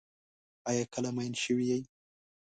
آیا کله مئین شوی یې؟